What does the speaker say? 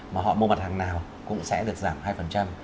mà họ mua mặt hàng nào cũng sẽ được giảm hai